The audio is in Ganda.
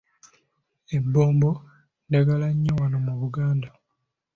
Ebbombo ddagala nnyo wano mu Buganda